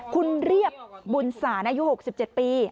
คุณเรียบบุญศาลอายุ๖๗ปี